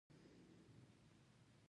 هغه د کندهار یو پېژندل شوی پایلوچ و.